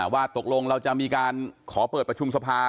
ว่าตกลงเราจะมีการขอเปิดประชุมสภา